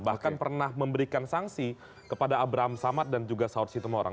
bahkan pernah memberikan sanksi kepada abraham samad dan juga saud sitomorang